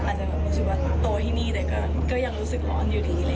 อาจจะแบบรู้สึกว่าโตที่นี่แต่ก็ยังรู้สึกร้อนอยู่ดี